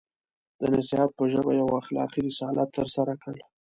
د نصیحت په ژبه یو اخلاقي رسالت ترسره کړ.